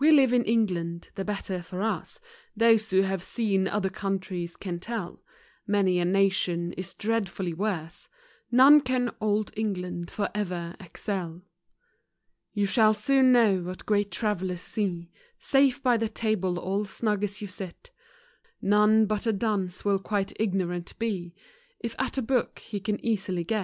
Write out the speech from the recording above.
We live in England, the better for us, Those who have seen other countries can tell; Many a nation is dreadfully worse; None can u Old England for ever" excel. You shall soon know what great travellers see, Safe by the table all snug as you sit; None but a dunce will quite ignorant be, If at a book he can easily get.